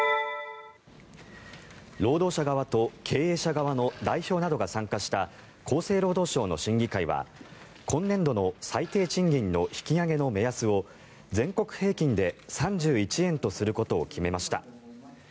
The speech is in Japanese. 労働者側と経営者側の代表などが参加した厚生労働省の審議会は今年度の最低賃金の引き上げの目安を全国平均で３１円とすることを決めました。